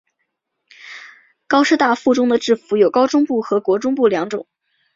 高师大附中的制服有高中部和国中部两种。